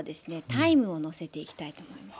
タイムをのせていきたいと思います。